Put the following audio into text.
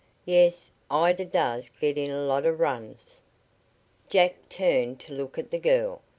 "Yes, Ida does get in a lot of runs." Jack turned to look at the girl.